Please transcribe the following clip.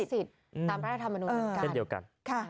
ใช้สิทธิ์ตามรัฐธรรมนุนเหมือนกัน